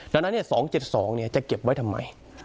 ดังนั้นงาน๒๗๒ไปแล้วจะเก็บไว้ทำไม